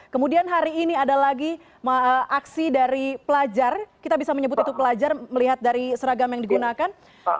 kemudian hari ini ada lagi aksi dari pelajar kita bisa menyebut itu pelajar melihat dari seragam yang digunakan